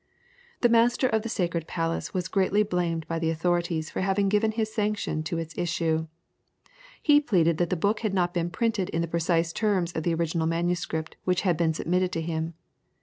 The Master of the Sacred Palace was greatly blamed by the authorities for having given his sanction to its issue. He pleaded that the book had not been printed in the precise terms of the original manuscript which had been submitted to him.